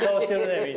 みんな。